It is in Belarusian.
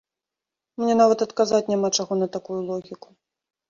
Мне нават адказаць няма чаго на такую логіку.